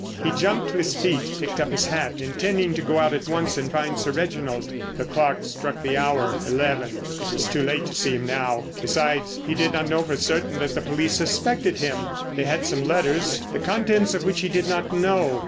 He jumped to his feet, picked up his hat, intending to go out at once and find Sir Reginald. The clock struck the hour—eleven. It was too late to see him now. Besides, he did not know for certain that the police suspected him! They had some letters, the contents of which he did not know.